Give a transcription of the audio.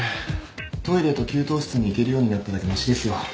トイレと給湯室に行けるようになっただけマシですよ。